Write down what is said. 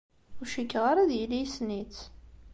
Ur cikkeɣ ara ad yili yessen-itt.